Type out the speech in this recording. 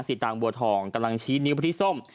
ตางบัวทองกำลังชี้นิ้วพริกส้ม